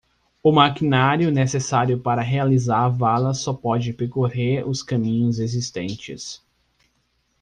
O maquinário necessário para realizar a vala só pode percorrer os caminhos existentes.